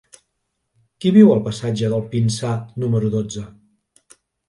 Qui viu al passatge del Pinsà número dotze?